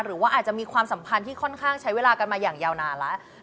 หรือว่าอาจจะมีความสัมพันธ์ที่ค่อนข้างใช้เวลากันมาอย่างยาวนานแล้ว